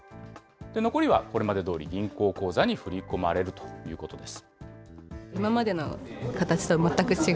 残りはこれまでどおり銀行口座に振り込まれるということです。